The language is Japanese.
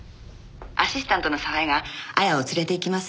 「アシスタントの沢井が亜矢を連れて行きますんで」